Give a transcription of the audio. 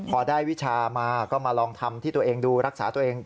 พอได้วิชามาก็มาลองทำที่ตัวเองดูรักษาตัวเอง